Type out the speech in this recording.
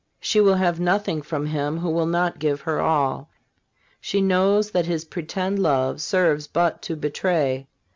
She will have nothing from him who will not give her all. She knows that his pretended love serves but to betray.